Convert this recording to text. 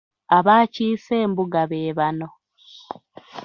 Abaakiise embuga be bano.